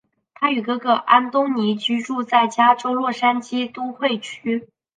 他与哥哥安东尼居住在加州洛杉矶都会区。